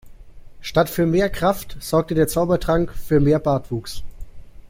Statt für mehr Kraft sorgte der Zaubertrank für mehr Bartwuchs.